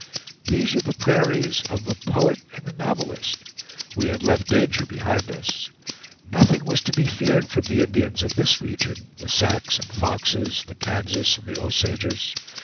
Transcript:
These are the prairies of the poet and the novelist. We had left danger behind us. Nothing was to be feared from the Indians of this region, the Sacs and Foxes, the Kansas and the Osages.